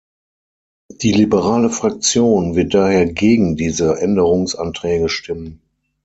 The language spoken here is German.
Die liberale Fraktion wird daher gegen diese Änderungsanträge stimmen.